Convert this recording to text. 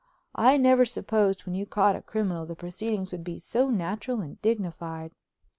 I never supposed when you caught a criminal the proceedings would be so natural and dignified.